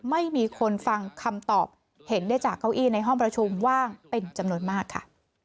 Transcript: ไม่มีคนฟังคำตอบเห็นได้จากเก้าอี้ในห้องประชุมว่างเป็นจำนวนมากค่ะ